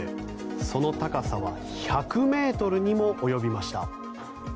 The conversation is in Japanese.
その高さは１００ｍにも及びました。